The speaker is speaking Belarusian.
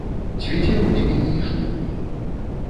Цвіце ў ліпені і жніўні.